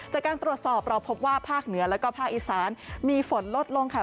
จากการตรวจสอบเราพบว่าภาคเหนือแล้วก็ภาคอีสานมีฝนลดลงค่ะ